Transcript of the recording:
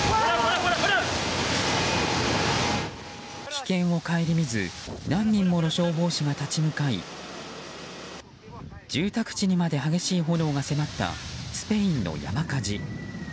危険を顧みず何人もの消防士が立ち向かい住宅地にまで激しい炎が迫ったスペインの山火事。